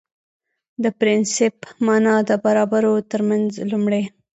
د پرنسېپ معنا ده برابرو ترمنځ لومړی